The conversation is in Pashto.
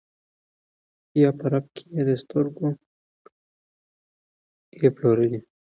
یا په رپ کي یې د سترګو یې پلورلی